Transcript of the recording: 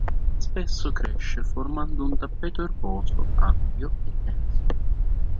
Spesso cresce formando un tappeto erboso ampio e denso.